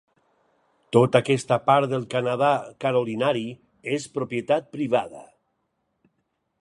Tota aquesta part del Canadà Carolinari és propietat privada.